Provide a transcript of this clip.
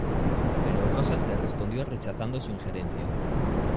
Pero Rosas le respondió rechazando su injerencia.